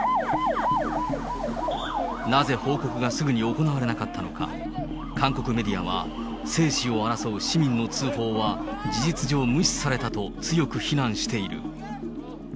なぜ報告がすぐに行われなかったのか、韓国メディアは、生死を争う市民の通報は事実上無視されたと、強く非難している。